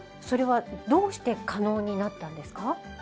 それはどうして可能になったんですか？